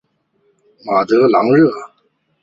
马德朗热。